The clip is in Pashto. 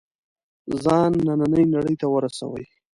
ځان نننۍ نړۍ ته ورسوي.